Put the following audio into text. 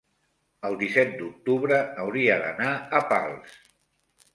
el disset d'octubre hauria d'anar a Pals.